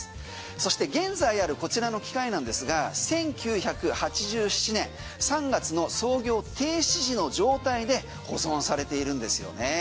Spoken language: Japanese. そして現在あるこちらの機械なんですが１９８７年３月の操業停止時の状態で保存されているんですよね。